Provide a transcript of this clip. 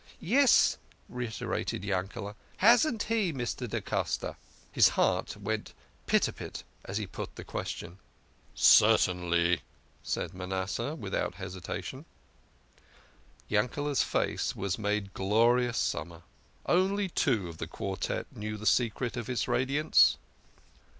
" Yes," reiterated Yankele. " Hasn't he, Mr. da Costa ?" His heart went pit a pat as he put the question. " Certainly," said Manasseh without hesitation. 100 THE KING OF SCHNORRERS. Yankee's face was made glorious summer. Only two of the quartette knew the secret of his radiance.